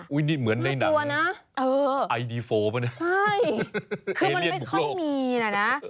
อุ๊ยนี่เหมือนในหนังนะไอดีโฟล์ปะเนี่ยแอลียนบุกโลกคือมันไม่ค่อยมีนะนะ